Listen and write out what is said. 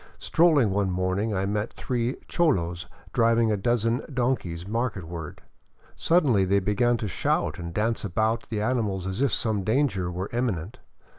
Strolling one morning, I met three cholos driving a dozen donkeys marketward. Suddenly they began to shout and dance about the animals as if some danger were Imminent.